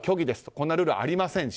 こんなルールはありませんし